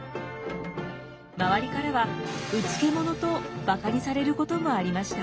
周りからはうつけ者とバカにされることもありました。